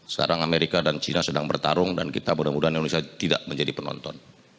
sekarang amerika dan china sedang bertarung dan kita mudah mudahan indonesia tidak menjadi penonton